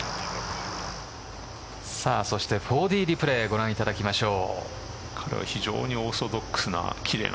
そして４Ｄリプレーをご覧いただきましょう。